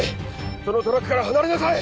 そのトラックから離れなさい！